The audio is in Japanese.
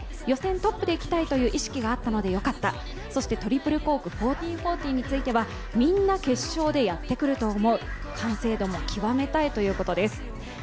予選トップでいきたいという意識があったので、よかった、そしてトリプルコーク１４４０についてはみんな決勝でやってくると思う、完成度も極めたいということです。